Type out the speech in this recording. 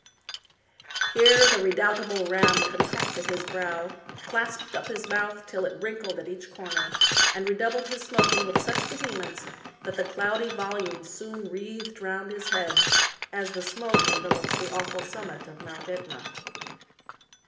Here the redoubtable Ramm contracted his brow, clasped up his mouth till it wrinkled at each corner, and redoubled his smoking with such vehemence that the cloudy volumes soon wreathed round his head, as the smoke envelops the awful summit of Mount ^tna.